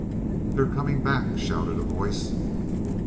"They're coming back," shouted a voice.